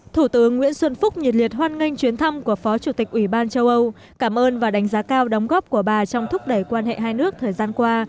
thủ tướng nguyễn xuân phúc nhiệt liệt hoan nghênh chuyến thăm của phó chủ tịch ủy ban châu âu cảm ơn và đánh giá cao đóng góp của bà trong thúc đẩy quan hệ hai nước thời gian qua